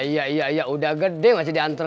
iyalah bayi aku mah ialah b desperationty